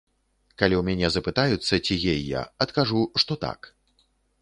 Калі ў мяне запытаюцца, ці гей я, адкажу, што так.